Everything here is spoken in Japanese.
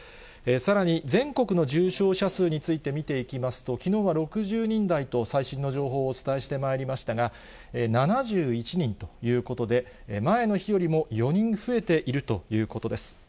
さらに、全国の重症者数について見ていきますと、きのうは６０人台と、最新の情報をお伝えしてまいりましたが、７１人ということで、前の日よりも４人増えているということです。